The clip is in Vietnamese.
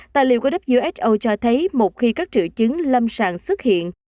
tài liệu của who cho thấy một khi các triệu chứng lâm sàng xuất hiện